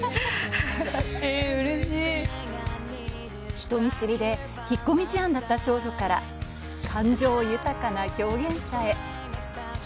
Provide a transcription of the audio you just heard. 人見知りで引っ込み思案だった少女から感情豊かな表現者へ。